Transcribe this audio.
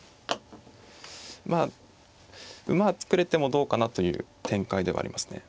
まあ馬は作れてもどうかなという展開ではありますね。